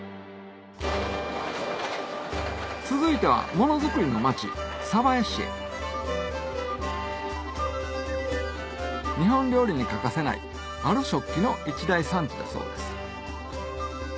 続いてはものづくりの町鯖江市へ日本料理に欠かせないある食器の一大産地だそうです